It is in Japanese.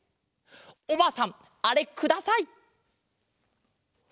おばあさんあれください！